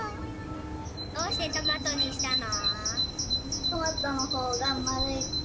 どうしてトマトにしたの？